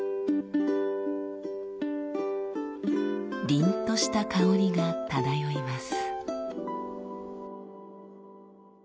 りんとした香りが漂います。